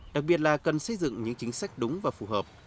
đặc biệt là cần xây dựng những chính sách đúng và phù hợp